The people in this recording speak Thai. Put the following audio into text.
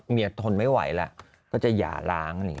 เมียทนไม่ไหวละก็จะหยาร้าง